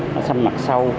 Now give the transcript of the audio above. nó xâm mặt sâu